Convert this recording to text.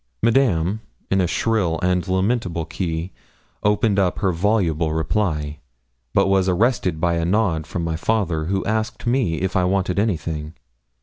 Madame, in a shrill and lamentable key, opened her voluble reply, but was arrested by a nod from my father, who asked me if I wanted anything.